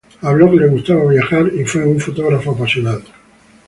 A Block le gustaba viajar y fue un fotógrafo apasionado.